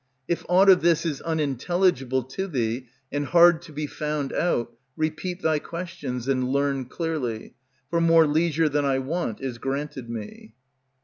If aught of this is unintelligible to thee, and hard to be found out, Repeat thy questions, and learn clearly; For more leisure than I want is granted me.